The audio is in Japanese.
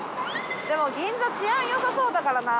でも銀座治安よさそうだからな。